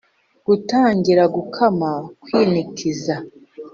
gutangira gukama kwinikiza